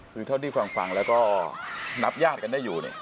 คือเท่าที่ฟังแล้วก็นับญาติกันได้อยู่เนี่ย